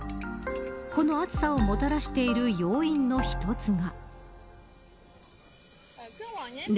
この暑さをもたらしている要因の一つが。